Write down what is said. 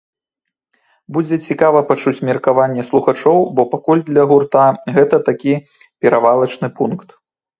Будзе цікава пачуць меркаванне слухачоў, бо пакуль для гурта гэта такі перавалачны пункт.